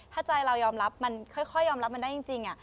ถ้าใจเรายอมรับมันค่อยยอมรับมันได้จริง